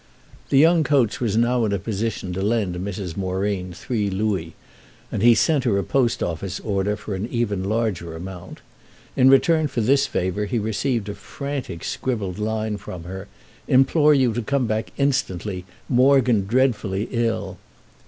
The young coach was now in a position to lend Mrs. Moreen three louis, and he sent her a post office order even for a larger amount. In return for this favour he received a frantic scribbled line from her: "Implore you to come back instantly—Morgan dreadfully ill."